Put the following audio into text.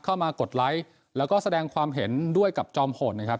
กดไลค์แล้วก็แสดงความเห็นด้วยกับจอมโหดนะครับ